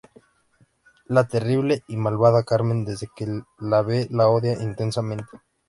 La terrible y malvada Carmen desde que la ve la odia instantáneamente.